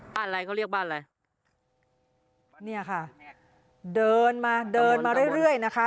อะไรเขาเรียกบ้านอะไรเนี่ยค่ะเดินมาเดินมาเรื่อยเรื่อยนะคะ